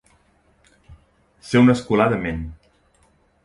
Ser un escolà d'amén.